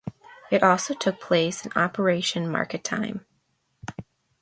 It also took place in Operation Market Time.